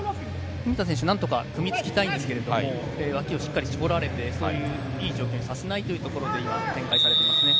文田選手、何とか組みつきたいんですけども、脇をしっかり絞られていい状況にさせないというふうに展開されていますね。